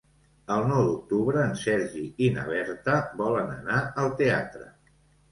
El nou d'octubre en Sergi i na Berta volen anar al teatre.